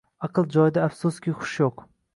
Aql joyida afsuski, xush yo‘q